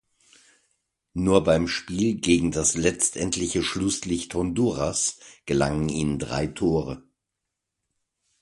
Nur beim Spiel gegen das letztendliche Schlusslicht Honduras gelangen ihnen drei Tore.